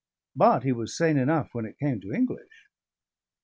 But he was sane enough when it came to English.